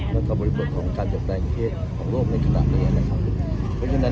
แล้วกับบริบทของการหยุดแปลงเทศของโลกในขณะนี้นะครับเพราะฉะนั้น